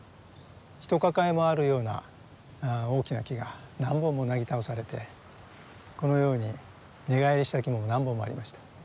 ひと抱えもあるような大きな木が何本もなぎ倒されてこのように根返りした木も何本もありました。